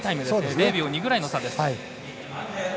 ０秒２ぐらいの差です。